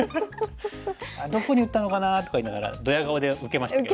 「どこに打ったのかな？」とか言いながらどや顔で受けましたけど。